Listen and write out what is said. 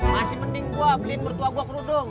masih mending gue pelin mertua gue kerudung